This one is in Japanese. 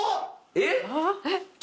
えっ？